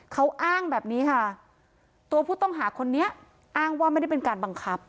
เขาอ้างแบบนี้ค่ะตัวผู้ต้องหาคนนี้อ้างว่าไม่ได้เป็นการบังคับ